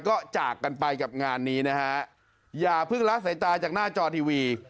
ก็จากกันไปกับงานนี้นะฮะอย่าเพิ่งละสายตาจากหน้าจอทีวี